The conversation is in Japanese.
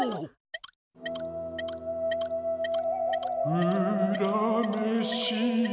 うらめしや。